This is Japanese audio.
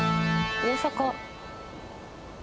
大阪。